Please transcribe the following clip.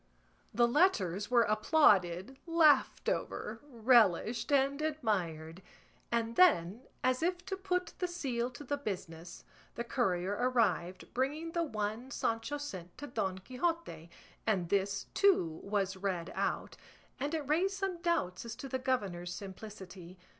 The letters were applauded, laughed over, relished, and admired; and then, as if to put the seal to the business, the courier arrived, bringing the one Sancho sent to Don Quixote, and this, too, was read out, and it raised some doubts as to the governor's simplicity.